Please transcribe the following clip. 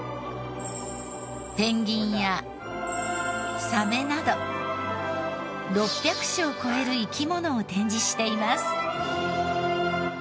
ペンギンやサメなど６００種を超える生き物を展示しています。